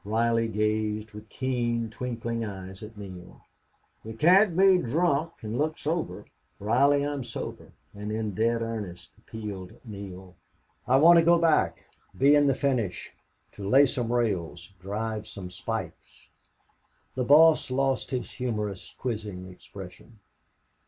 Reilly gazed with keen, twinkling eyes at Neale. "Ye can't be drunk an' look sober." "Reilly, I'm sober and in dead earnest," appealed Neale. "I want to go back be in the finish to lay some rails drive some spikes." The boss lost his humorous, quizzing expression.